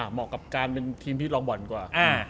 เหมาะกับการเป็นทีมที่ลองบ่อนกว่า